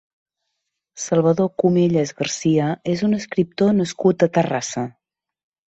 Salvador Comelles Garcia és un escriptor nascut a Terrassa.